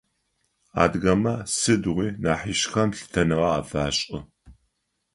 Адыгэмэ сыдигъуи нахьыжъхэм лъытэныгъэ афашӏы.